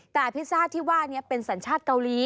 แต่พิซซ่าที่ว่านี้เป็นสัญชาติเกาหลี